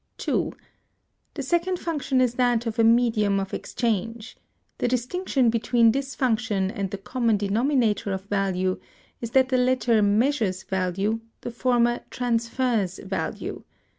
(2.) The second function is that of a medium of exchange. The distinction between this function and the common denominator of value is that the latter measures value, the former transfers value.